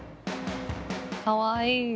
かわいい。